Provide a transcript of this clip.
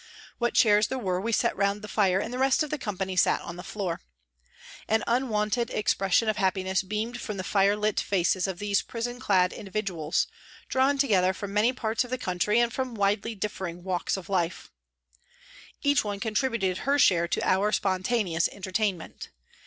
What chairs there were we set round the fire and the rest of the company sat on the floor. An unwonted expression of happiness beamed from the fire lit faces of these prison clad individuals, drawn together from many parts of the country and from widely differing walks 156 PRISONS AND PRISONERS of life. Each one contributed her share to our spontaneous entertainment.